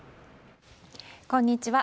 こんにちは。